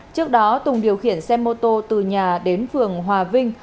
trước đó tùng điều khiển xe mô tô từ nhà đến phường hòa vinh